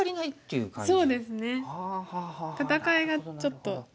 戦いがちょっと。